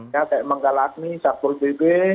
ya kayak manggalakmi sapur bb